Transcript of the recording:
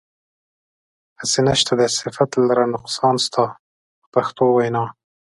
هسې نشته دی صفت لره نقصان ستا په پښتو وینا.